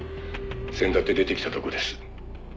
「せんだって出てきたとこです」